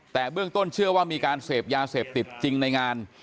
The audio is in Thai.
แต่เบื้องต้นเชื่อว่ามีการเสพยาเสพติดจริงในงาน